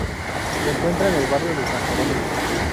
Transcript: Se encuentra en el barrio de San Jerónimo.